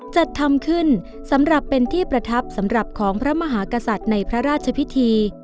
จัดทำขึ้นสำหรับเป็นที่ประทับสำหรับของพระมหากษัตริย์ในพระราชพิธี